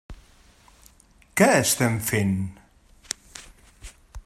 Què estem fent?